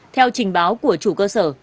theo trình báo của chủ cơ sở